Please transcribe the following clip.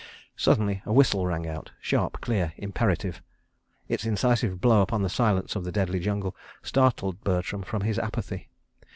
... Suddenly a whistle rang out—sharp, clear, imperative. Its incisive blow upon the silence of the deadly jungle startled Bertram from his apathy.